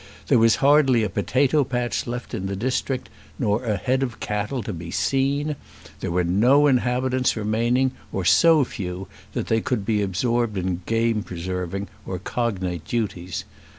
There was hardly a potato patch left in the district, nor a head of cattle to be seen. There were no inhabitants remaining, or so few that they could be absorbed in game preserving or cognate duties.